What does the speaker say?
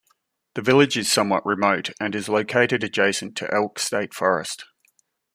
The village is somewhat remote and is located adjacent to Elk State Forest.